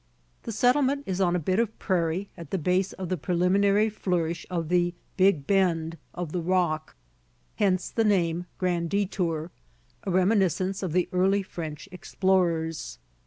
The settlement is on a bit of prairie at the base of the preliminary flourish of the "big bend" of the Rock, hence the name, Grand Detour, a reminiscence of the early French explorers.